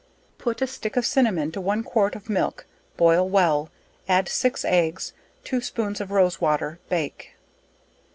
Put a stick of cinnamon to one quart of milk, boil well, add six eggs, two spoons of rose water bake.